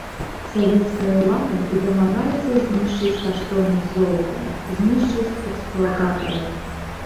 Савецкая ўлада і дамагаецца знішчыць каштоўнасць золата, знішчыць эксплуататараў.